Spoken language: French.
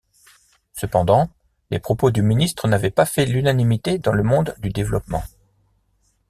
Cependant, les propos du ministre n’avaient pas fait l’unanimité dans le monde du développement.